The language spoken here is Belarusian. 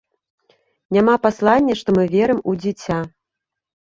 Няма паслання, што мы верым у дзіця.